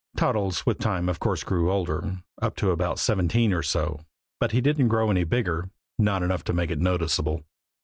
Toddles, with time, of course, grew older, up to about seventeen or so, but he didn't grow any bigger not enough to make it noticeable!